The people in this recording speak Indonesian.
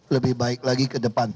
lebih baik lagi ke depan